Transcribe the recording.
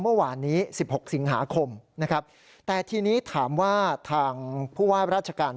เมื่อวานนี้๑๖สิงหาคมนะครับแต่ทีนี้ถามว่าทางผู้ว่าราชการ